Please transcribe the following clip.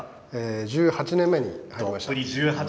１８年目になりました。